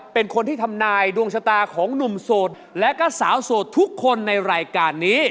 เป็นคนที่ทำนายดวงชะตาของหนุ่มโสดและก็สาวโสดทุกคนในรายการนี้